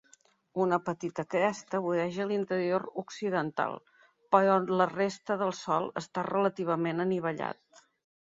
Una petita cresta voreja l'interior occidental, però la resta del sòl està relativament anivellat.